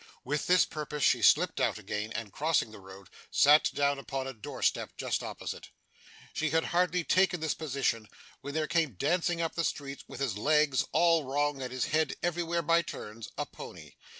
With this purpose she slipped out again, and crossing the road, sat down upon a door step just opposite. She had hardly taken this position, when there came dancing up the street, with his legs all wrong, and his head everywhere by turns, a pony.